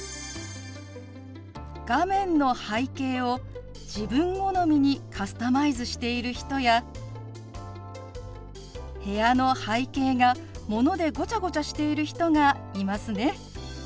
画面の背景を自分好みにカスタマイズしている人や部屋の背景がものでごちゃごちゃしている人がいますね。